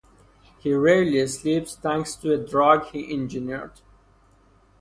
He rarely sleeps, thanks to a drug he engineered.